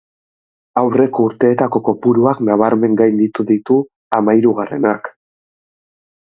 Aurreko urteetako kopuruak nabarmen gainditu ditu hamairugarrenak.